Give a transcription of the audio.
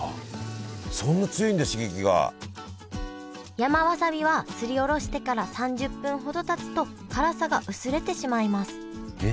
山わさびはすりおろしてから３０分ほどたつと辛さが薄れてしまいますえっ！？